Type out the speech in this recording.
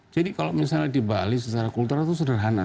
jadi kalau misalnya di bali secara kultural itu sederhana